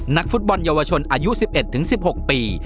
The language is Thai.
นักฟุตบอลเยาวชนอายุ๑๑๑๖ปี